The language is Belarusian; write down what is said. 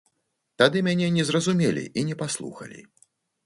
Тады мяне не зразумелі і не паслухалі.